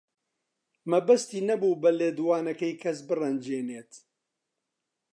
مەبەستی نەبوو بە لێدوانەکەی کەس بڕەنجێنێت.